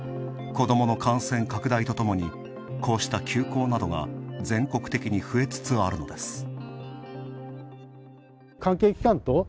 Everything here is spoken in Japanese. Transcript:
子どもの感染拡大とともに、こうした休校などが全国的に増えつつあるのです。